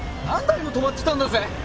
何台も止まってたんだぜ？